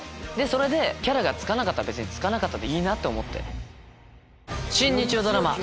それでキャラがつかなかったらつかなかったでいいって思って。